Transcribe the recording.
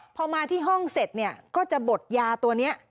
พอมาที่ห้องเสร็จเนี่ยก็จะบดยาตัวนี้